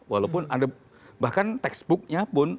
walaupun ada bahkan textbooknya pun